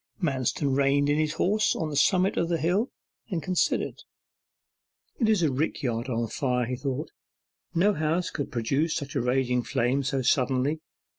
Manston reined in his horse on the summit of a hill, and considered. 'It is a rick yard on fire,' he thought; 'no house could produce such a raging flame so suddenly.